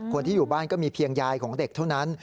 คนที่อยู่บ้านก็มีเพียงยายของเด็กเท่านั้น